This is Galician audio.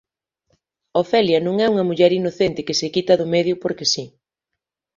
Ofelia non é unha muller inocente que se quita do medio porque si.